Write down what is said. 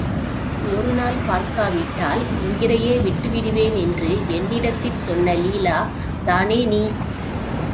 ஒரு நாள் பார்க்காவிட்டால் உயிரையே விட்டுவிடுவேனென்று என்னிடத்தில் சொன்ன லீலா தானே நீ?